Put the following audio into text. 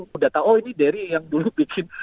sudah tahu ini dery yang dulu bikin